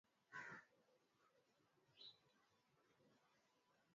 nchi kadhaa zilipitisha wazo hilo kwa msaada wa marekani